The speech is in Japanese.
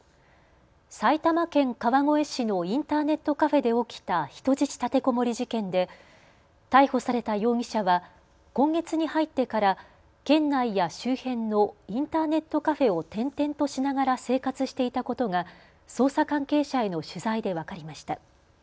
埼玉県川越市のインターネットカフェで起きた人質立てこもり事件で逮捕された容疑者は今月に入ってから県内や周辺のインターネットカフェを転々としながら生活していたことが捜査関係者への取材で分かりました。